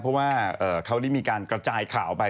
เพราะว่าเขาได้มีการกระจายข่าวไป